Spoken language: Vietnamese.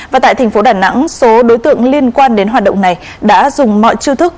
và tại thành phố đà nẵng số đối tượng liên quan đến hoạt động này đã dùng mọi chiêu thức